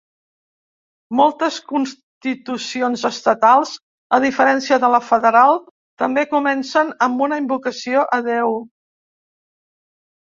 Moltes constitucions estatals, a diferència de la federal, també comencen amb una invocació a Déu.